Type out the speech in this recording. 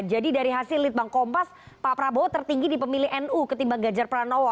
jadi dari hasil litbang kompas pak prabowo tertinggi di pemilih nu ketimbang ganjar pranowo